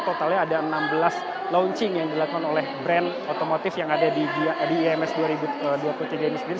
totalnya ada enam belas launching yang dilakukan oleh brand otomotif yang ada di ims dua ribu dua puluh tiga ini sendiri